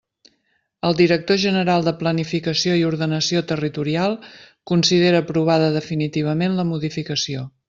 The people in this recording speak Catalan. El director general de Planificació i Ordenació Territorial considera aprovada definitivament la modificació.